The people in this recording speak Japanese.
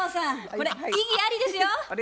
これ異議ありですよ。